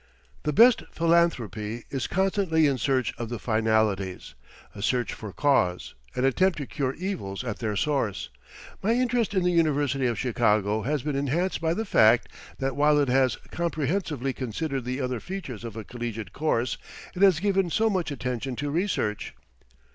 The best philanthropy is constantly in search of the finalities a search for cause, an attempt to cure evils at their source. My interest in the University of Chicago has been enhanced by the fact that while it has comprehensively considered the other features of a collegiate course, it has given so much attention to research.